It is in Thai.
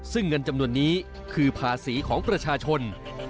ซึ่งเงินจำนวนนี้คือภาษีของประชาชน